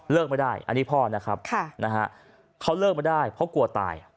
ไม่ได้อันนี้พ่อนะครับเขาเลิกมาได้เพราะกลัวตาย